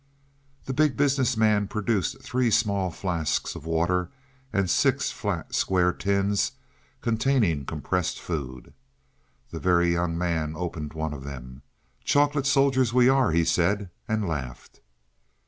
The Big Business Man produced three small flasks of water and six flat, square tins containing compressed food. The Very Young Man opened one of them. "Chocolate soldiers we are," he said, and laughed.